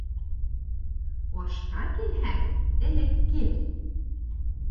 Ашҡа килһәң, элек кил